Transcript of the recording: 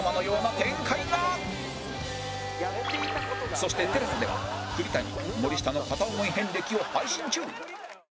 そして ＴＥＬＡＳＡ では栗谷森下の片思い遍歴を配信中